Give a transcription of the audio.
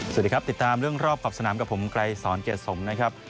สวัสดีครับติดตามเรื่องรอบขอบสนามกับผมไกรสอนเกียรติสมนะครับ